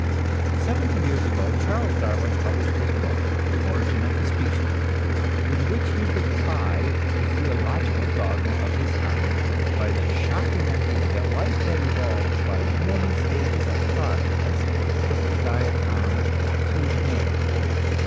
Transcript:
Seventy years ago Charles Darwin published his book, "The Origin of Species," in which he defied the theological dogma of his time by the shocking idea that life had evolved by many stages of progress from the diatom to man.